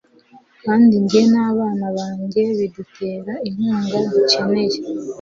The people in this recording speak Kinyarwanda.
kandi njye n abana banjye bidutera inkunga dukeneye